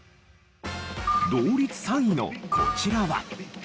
同率３位のこちらは。